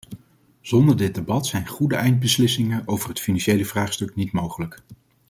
Zonder dit debat zijn goede eindbeslissingen over het financiële vraagstuk niet mogelijk.